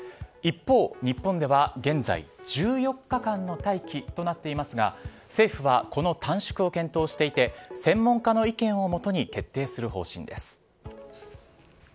一方、日本では現在１４日間の待期となっていますが政府はこの短縮を検討していて専門家の意見を基に決定する方針です。